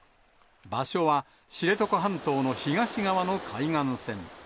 場所は、知床半島の東側の海岸線。